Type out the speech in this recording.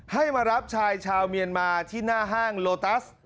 ให้มารับชายชาวเมียนมาที่หน้าห้างโลตัส